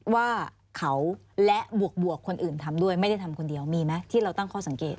ว่าเขาและบวกคนอื่นทำด้วยไม่ได้ทำคนเดียวมีไหมที่เราตั้งข้อสังเกต